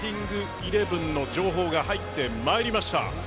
イレブンの情報が入ってまいりました。